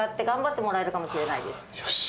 よし。